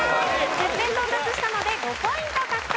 １０点到達したので５ポイント獲得。